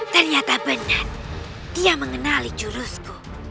ternyata benar dia mengenali jurusku